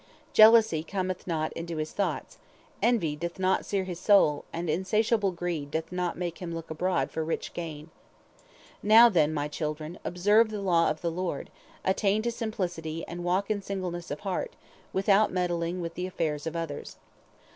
Jealousy cometh not into his thoughts, envy doth not sear his soul, and insatiable greed doth not make him look abroad for rich gain. Now, then, my children, observe the law of the Lord, attain to simplicity, and walk in singleness of heart, without meddling with the affairs of others.